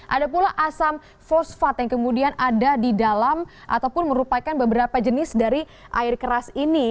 ada pula asam fosfat yang kemudian ada di dalam ataupun merupakan beberapa jenis dari air keras ini